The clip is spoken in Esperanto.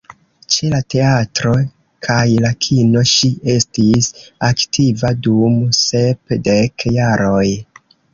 Ĉe la teatro kaj la kino, ŝi estis aktiva dum sepdek jaroj.